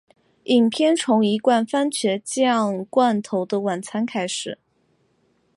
影片从一罐蕃茄酱罐头的晚餐开始。